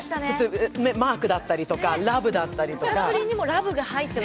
マークだったりとか、ラブだったりとか。